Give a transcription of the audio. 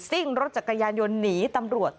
ซิ่งรถจักรยานยนต์หนีตำรวจ